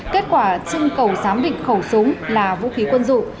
kết quả trưng cầu giám định khẩu súng là vũ khí quân dụng